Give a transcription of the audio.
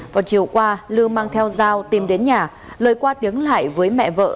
vào chiều qua lư mang theo dao tìm đến nhà lời qua tiếng lại với mẹ vợ